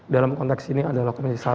dalam konteks ini adalah komisi satu